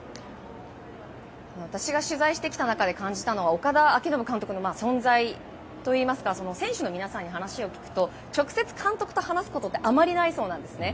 私が取材してきた中で感じたのは岡田彰布監督の存在といいますか選手の皆さんに話を聞くと直接、監督と話すことってあまりないそうなんですね。